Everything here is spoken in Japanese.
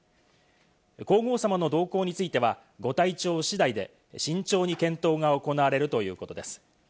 皇后さまの同行については、ご体調次第で慎重に検討が行われるということです。